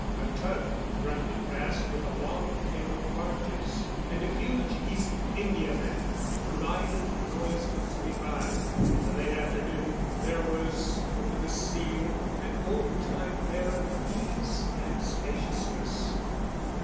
A tug grunted past with a long tail of barges, and a huge East Indiaman glided noiselessly by. In the late afternoon there was over the scene an old time air of ease and spaciousness.